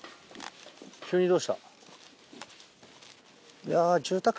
急にどうした？